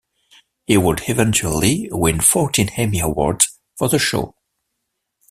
He would eventually win fourteen Emmy Awards for the show.